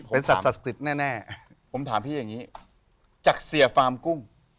เป็นสัตวศักดิ์สิทธิ์แน่ผมถามพี่อย่างนี้จากเสียฟาร์มกุ้ง